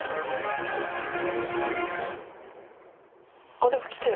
あっでも来てる。